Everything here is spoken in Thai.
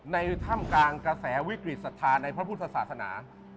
ถ้ำกลางกระแสวิกฤตศรัทธาในพระพุทธศาสนา